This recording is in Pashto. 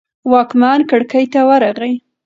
واکمن کړکۍ ته ورغی.